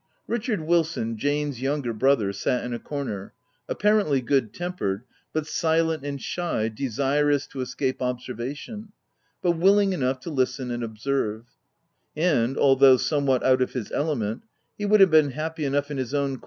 Richard Wilson, Jane's younger brother, sat in a corner, apparently good tempered, but silent and shy, desirous to escape observation, but willing enough to listen and observe : and, although somewhat out of his element, he would have been happy enough in his own OF WILDFELL HALL.